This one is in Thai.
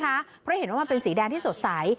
เพราะเห็นว่ามันเป็นสีแดงที่สดใส